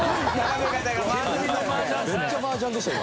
めっちゃマージャンでした今。